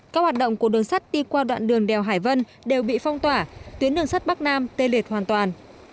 các hoạt động của đường sắt đi qua đoạn đường đèo hải vân đều bị phong tỏa tuyến đường sắt bắc nam tê liệt hoàn toàn